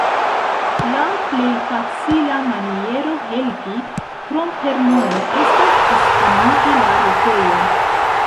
La plej facila maniero helpi, krom per mono, estas diskonigi la retejon.